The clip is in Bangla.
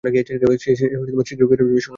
সে শীঘ্রই ফিরে আসবে, সোনা।